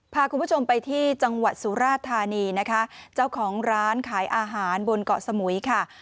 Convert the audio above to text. พาคุณผู้ชมไปที่จังหวัดสุราธานีนะคะเจ้าของร้านขายอาหารบนเกาะสมุยค่ะ